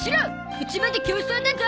うちまで競走だゾ！